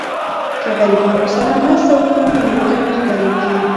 که غریبانو سره مرسته وکړو نو لوږه نه خپریږي.